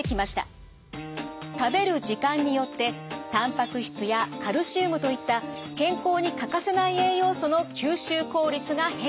食べる時間によってたんぱく質やカルシウムといった健康に欠かせない栄養素の吸収効率が変化。